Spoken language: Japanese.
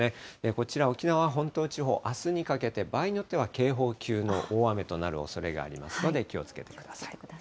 こちら沖縄本島地方、あすにかけて場合によっては警報級の大雨となるおそれがありますので、気をつけてください。